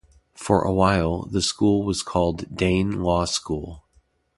For a while, the school was called Dane Law School.